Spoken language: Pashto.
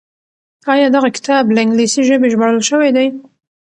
آيا دغه کتاب له انګليسي ژبې ژباړل شوی دی؟